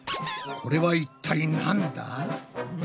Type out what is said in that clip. これは一体なんだ？